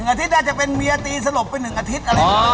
๑อาทิตย์น่าจะเป็นเมียตีสลบไป๑อาทิตย์